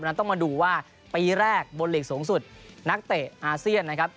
ต้องมาดูว่าปีแรกบนหลีกสูงสุดนักเตะอาเซียนนะครับ